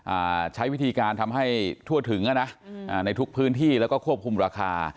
อ่าใช้วิธีการทำให้ทั่วถึงอ่ะนะอืมอ่าในทุกพื้นที่แล้วก็ควบคุมราคา